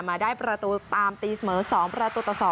มาได้ประตูตามตีเสมอ๒ประตูต่อ๒